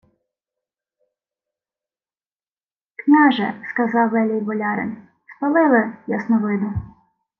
— Княже, — сказав велій болярин, — спалили... Ясновиду.